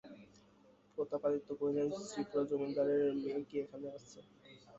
প্রতাপাদিত্য কহিলেন, শ্রীপুরের জমিদারের মেয়ে কি এখানেই আছে?